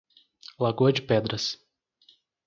Lagoa de Pedras